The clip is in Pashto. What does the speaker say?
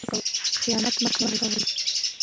خیانت مه کوئ.